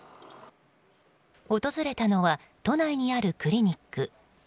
訪れたのは都内にあるクリニック。